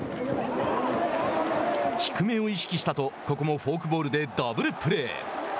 低めを意識したとここもフォークボールでダブルプレー。